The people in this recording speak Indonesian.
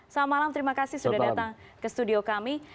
selamat malam terima kasih sudah datang ke studio kami